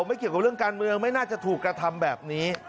ไม่เกี่ยวกับเรื่องการเมืองไม่น่าจะถูกกระทำแบบนี้